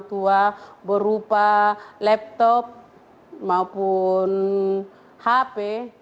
ada orang tua berupa laptop maupun hp